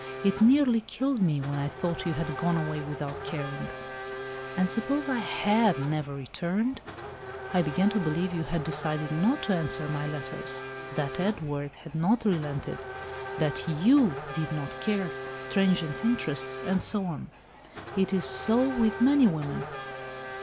It nearly killed me, when I thought you had gone away without caring." "And suppose I had never returned? I began to believe you had decided not to answer my letters. That Edward had not relented. That you did not care—transient interest, and so on. It is so with many women."